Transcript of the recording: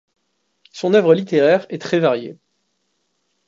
Son œuvre littéraire est très varié.